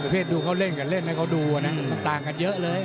เพศดูเขาเล่นกับเล่นให้เขาดูนะมันต่างกันเยอะเลย